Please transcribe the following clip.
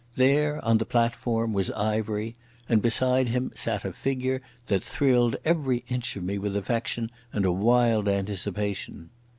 There on the platform was Ivery, and beside him sat a figure that thrilled every inch of me with affection and a wild anticipation.